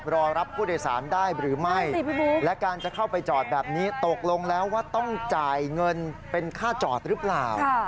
รอรับผู้โดยสารได้หรือไม่และการจะเข้าไปจอดแบบนี้ตกลงแล้วว่าต้องจ่ายเงินเป็นค่าจอดหรือเปล่า